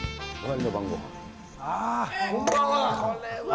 ああ、こんばんは。